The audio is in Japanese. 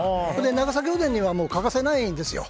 長崎おでんには欠かせないんですよ。